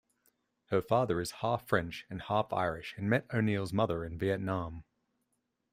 Her father is half French and half Irish and met O'Neil's mother in Vietnam.